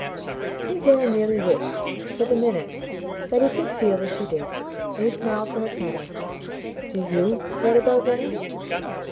He very nearly wished, for the minute, that he could feel as she did; and he smiled for her kindly. "Do YOU write about Venice?"